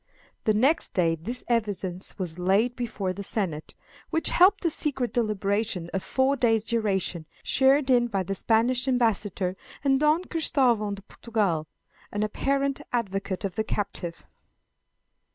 The next day this evidence was laid before the senate, which held a secret deliberation of four days' duration, shared in by the Spanish ambassador and Don Christavao de Portugal, an apparent advocate of the captive.